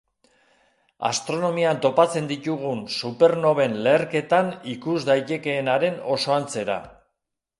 Astronomian topatzen ditugun supernoven leherketan ikus daitekeenaren oso antzera.